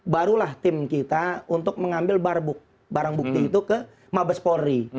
barulah tim kita untuk mengambil barang bukti itu ke mabes polri